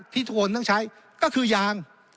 ที่ทุกคนต้องใช้ก็คือยาง